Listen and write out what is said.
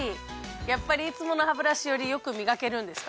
やっぱりいつものハブラシより良くみがけるんですか？